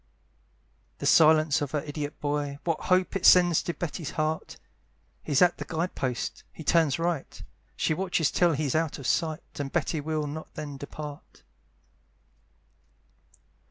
The silence of her idiot boy, What hopes it sends to Betty's heart! He's at the guide post he turns right, She watches till he's out of sight, And Betty will not then depart.